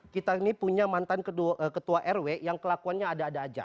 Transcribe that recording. kita ini punya mantan ketua rw yang kelakuannya ada ada aja